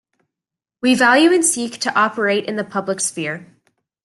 We value and seek to operate in the public sphere.